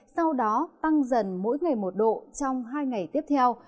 sau đó tăng dần mỗi ngày một độ trong hai ngày tiếp theo